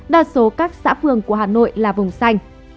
đa số các xã phường của hà nội là vùng xanh